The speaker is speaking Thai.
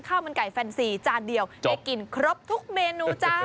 ข้าวมันไก่แฟนซีจานเดียวได้กินครบทุกเมนูจ้า